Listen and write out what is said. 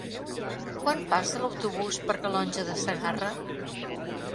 Quan passa l'autobús per Calonge de Segarra?